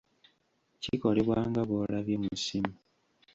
Kikolebwa nga bw'olabye mu ssimu.